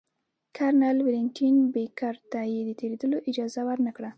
کرنل ولنټین بېکر ته یې د تېرېدلو اجازه ورنه کړه.